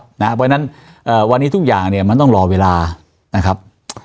เพราะฉะนั้นวันนี้ทุกอย่างเนี่ยมันต้องรอเวลานะครับ